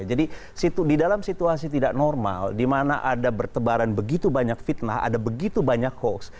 jadi di dalam situasi tidak normal di mana ada bertebaran begitu banyak fitnah ada begitu banyak hoax